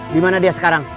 dimana dia sekarang